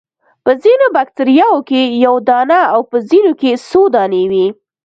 په ځینو باکتریاوو کې یو دانه او په ځینو کې څو دانې وي.